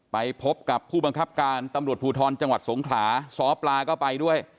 ไปพบกับผู้บังคับการตำรวจภูทรจังหวัดสงขลาซ้อปลาก็ไปด้วย